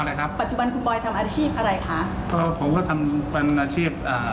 นะครับปัจจุบันคุณบอยทำอาชีพอะไรคะก็ผมก็ทำเป็นอาชีพอ่า